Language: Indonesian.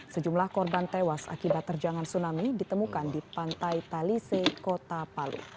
sejumlah korban tewas akibat terjangan tsunami ditemukan di pantai talise kota palu